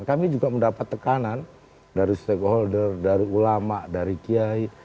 kami juga mendapat tekanan dari stakeholder dari ulama dari kiai